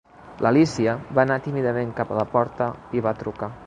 L'Alícia va anar tímidament cap a la porta i va trucar.